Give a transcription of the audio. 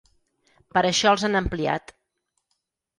Per això els han ampliat.